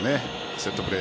セットプレー。